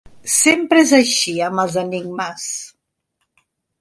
Sempre és així, amb els enigmes.